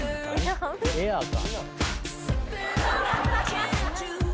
エアか。